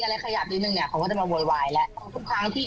เขาก็จะมาโบร์ดวายแล้วทุกครั้งที่กรงเขยิบหรืออะไรอย่างเงี้ย